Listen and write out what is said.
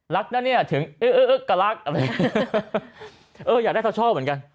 รักนะเนี่ยถึงเอ้อเอ้อเอ้อก็รักเอออยากได้ท่าชอบเหมือนกัน